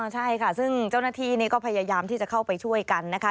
ใช่ค่ะซึ่งเจ้าหน้าที่นี่ก็พยายามที่จะเข้าไปช่วยกันนะคะ